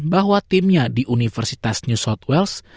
bahwa timnya di universitas new south wales